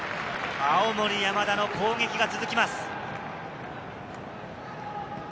青森山田の攻撃が続きます。